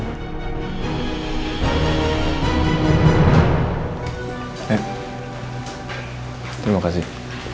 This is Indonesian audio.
nek terima kasih